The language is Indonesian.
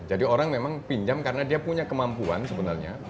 jadi orang memang pinjam karena dia punya kemampuan sebenarnya